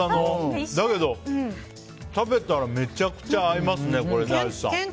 だけど、食べたらめちゃくちゃ合いますね、広瀬さん。